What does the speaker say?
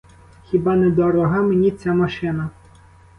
Хіба не дорога мені ця машина?